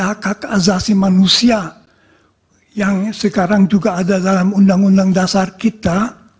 hak hak azasi manusia yang sekarang juga ada dalam undang undang dasar kita